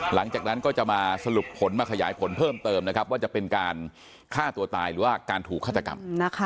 หลังจากนั้นก็จะมาสรุปผลมาขยายผลเพิ่มเติมนะครับว่าจะเป็นการฆ่าตัวตายหรือว่าการถูกฆาตกรรม